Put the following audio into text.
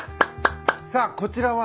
さあこちらは？